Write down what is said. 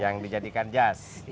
yang dijadikan jazz